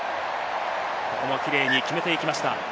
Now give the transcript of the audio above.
ここもキレイに決めていきました。